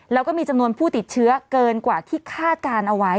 แล้วก็มีจำนวนผู้ติดเชื้อเกินกว่าที่คาดการณ์เอาไว้